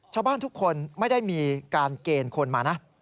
ชาวบ้านทุกคนไม่ได้มีการเกณฑ์คนมานะ